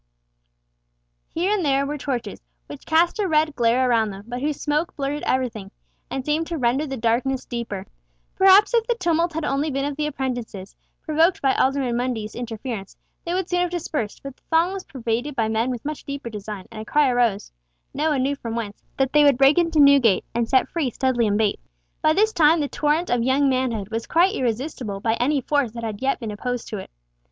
Here and there were torches, which cast a red glare round them, but whose smoke blurred everything, and seemed to render the darkness deeper. Perhaps if the tumult had only been of the apprentices, provoked by Alderman Mundy's interference, they would soon have dispersed, but the throng was pervaded by men with much deeper design, and a cry arose—no one knew from whence—that they would break into Newgate and set free Studley and Bates. By this time the torrent of young manhood was quite irresistible by any force that had yet been opposed to it.